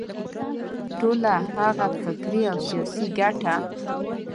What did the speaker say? ټوله هغه فکري او سیاسي ګټه.